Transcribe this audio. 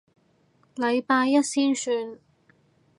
禮拜一先算